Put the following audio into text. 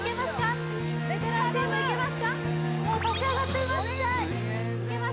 頼むもう立ち上がっています